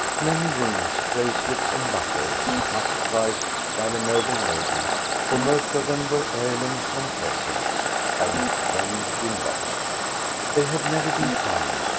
Many rings, bracelets, and buckles, much prized by the noble lady, — for most of them were heirlooms and presents, — had then been lost They had never been found.